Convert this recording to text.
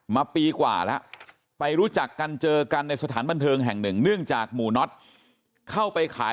มาปีกว่าแล้วไปรู้จักกันเจอกันในสถานบันเทิงแห่งหนึ่งเนื่องจากหมู่น็อตเข้าไปขาย